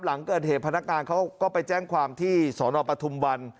หลังเกิดเหตุพนักงานเขาก็ไปแจ้งความที่สนปทุมวัน